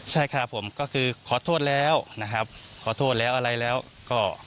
ใช่ครับผมก็คือขอโทษแล้วนะครับขอโทษแล้วอะไรแล้วก็